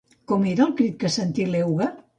Com era el crit que sentí l'egua?